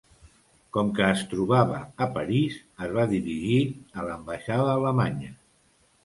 Com que es trobava a París, es va dirigir a l'ambaixada alemanya.